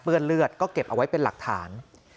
เลือดก็เก็บเอาไว้เป็นหลักฐาน